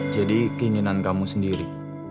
jadi keinginan kamu sendiri